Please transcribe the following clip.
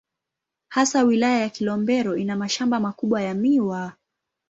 Hasa Wilaya ya Kilombero ina mashamba makubwa ya miwa.